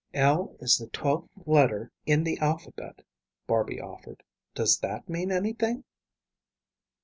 "L is the twelfth letter in the alphabet," Barby offered. "Does that mean anything?"